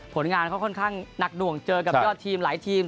ผลงานเขาค่อนข้างหนักหน่วงเจอกับยอดทีมหลายทีม